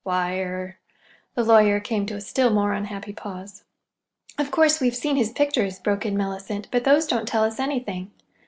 "Why—er—" The lawyer came to a still more unhappy pause. "Of course, we've seen his pictures," broke in Mellicent, "but those don't tell us anything.